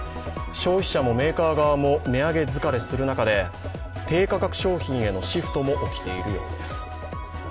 消費者もメーカー側も値上げ疲れする中で低価格商品へのシフトも起きているようです。